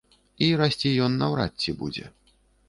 І расці ён наўрад ці будзе.